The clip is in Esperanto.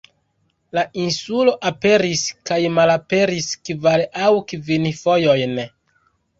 La insulo aperis kaj malaperis kvar aŭ kvin fojojn.